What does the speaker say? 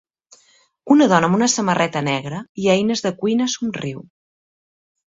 Una dona amb una samarreta negra i eines de cuina somriu.